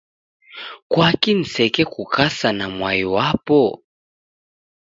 Kwaki nisekukasagha na mwai wapo?